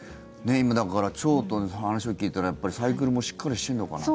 今、だから腸との話を聞いたらサイクルもしっかりしてるのかな。